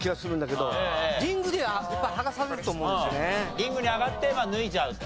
リングに上がって脱いじゃうと。